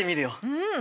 うん。